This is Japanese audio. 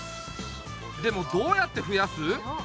でもどうやってふやす？